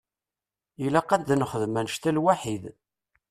Ilaq ad nexdem annect-a lwaḥid.